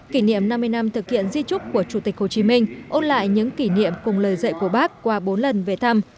kỷ niệm năm mươi năm thực hiện di trúc của chủ tịch hồ chí minh ôn lại những kỷ niệm cùng lời dạy của bác qua bốn lần về thăm